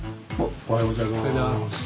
おはようございます。